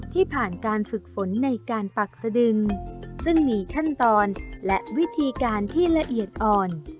ที่ผ่านการฝึกฝนในการปักสดึงซึ่งมีขั้นตอนและวิธีการที่ละเอียดอ่อน